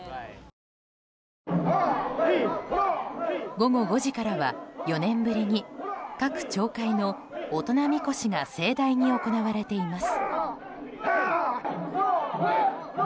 午後５時からは、４年ぶりに各町会の大人神輿が盛大に行われています。